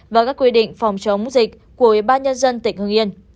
và các quy định phòng chống dịch của bác nhân dân tỉnh hưng yên